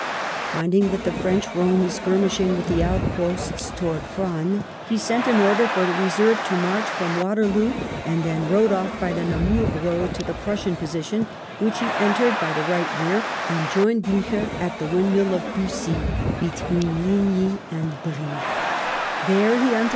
Finding that the French were only skirmishing with the outposts towards Frasne, he sent an order for the reserve to march from Waterloo, and then rode off by the Namur Eoad to the Prussian position, which he entered by the right rear, and joined Blucher at the windmill of Bussy, between Ligny and Bry.